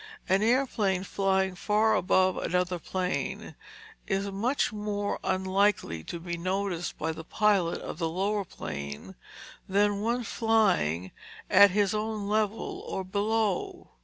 An airplane flying far above another plane is much more unlikely to be noticed by the pilot of the lower plane than one flying at his own level or below him.